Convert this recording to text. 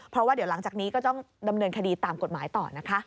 เพราะว่าเดี๋ยวหลังจากนี้ก็ต้องดำเนินคดีตามกฎหมายต่อนะคะ